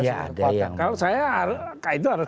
kepada kalau saya kak ido harus